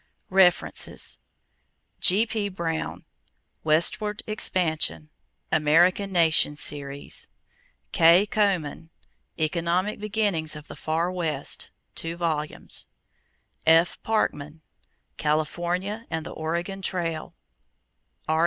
=References= G.P. Brown, Westward Expansion (American Nation Series). K. Coman, Economic Beginnings of the Far West (2 vols.). F. Parkman, California and the Oregon Trail. R.